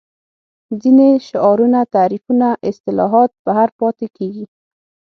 ځینې شعارونه تعریفونه اصطلاحات بهر پاتې کېږي